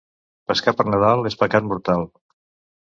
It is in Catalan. Pescar per Nadal és pecat mortal.